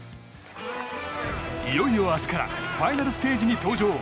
いよいよ明日からファイナルステージに登場。